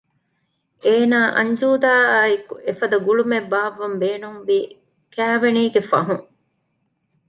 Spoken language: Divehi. އޭނާ އަންޖޫދާއާއެކު އެފަދަ ގުޅުމެއް ބާއްވަން ބޭނުންވީ ކައިވެނީގެ ފަހުން